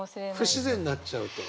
不自然になっちゃうと？